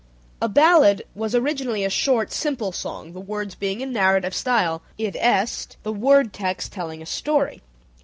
A ballad was originally a short, simple song, the words being in narrative style, i.e., the word text telling a story.